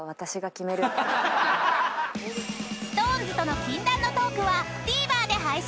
［ＳｉｘＴＯＮＥＳとの禁断のトークはＴＶｅｒで配信］